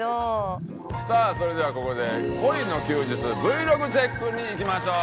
さあそれではここで恋の休日Ｖｌｏｇチェックにいきましょう！